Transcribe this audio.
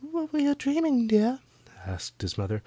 "What were you dreaming, dear?" asked his mother.